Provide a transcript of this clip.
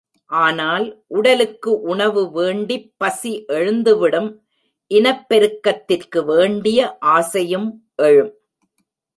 ஆனால், உடலுக்கு உணவு வேண்டிப் பசி எழுந்துவிடும் இனப்பெருக்கத்திற்கு வேண்டிய ஆசையும் எழும்.